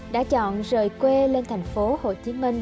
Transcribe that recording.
đã chọn rời quê lên tp hcm